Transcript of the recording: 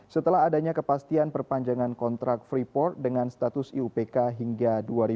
setelah adanya kepastian perpanjangan kontrak freeport dengan status iupk hingga dua ribu dua puluh